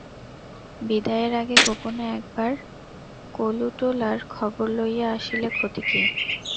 বিদায়ের আগে গোপনে এক বার কলুটোলার খবর লইয়া আসিলে ক্ষতি কী?